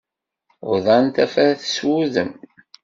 Uḍan tafat s wudem.